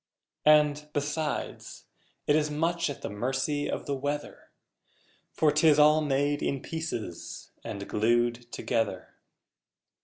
And, besides, it is much at the mercy of the weather For 'tis all made in pieces and glued together!